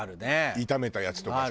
炒めたやつとかさ。